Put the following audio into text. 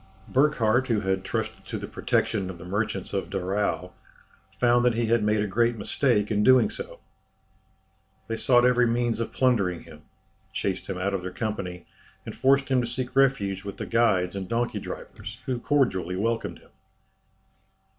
Burckhardt, who had trusted to the protection of the merchants of Daraou, found that he had made a great mistake in so doing. They sought every means of plundering him, chased him out of their company, and forced him to seek refuge with the guides and donkey drivers, who cordially welcomed him.